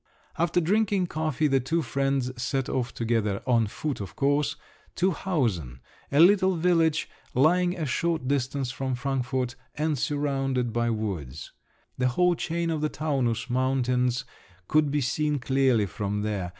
After drinking coffee, the two friends set off together—on foot, of course—to Hausen, a little village lying a short distance from Frankfort, and surrounded by woods. The whole chain of the Taunus mountains could be seen clearly from there.